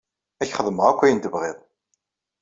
Ad ak-xedmeɣ akk ayen tebɣiḍ.